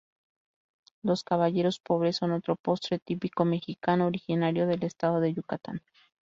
Los caballeros pobres son otro postre típico mexicano originario del estado de Yucatán.